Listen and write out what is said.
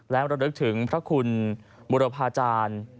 และระลึกถึงพระคุณบุรพาจารย์